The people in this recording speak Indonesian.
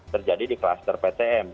terjadi di kluster ptm